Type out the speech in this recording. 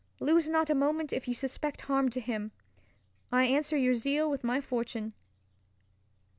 Lose not a moment if you suspect harm to him. I answer your zeal with my fortune.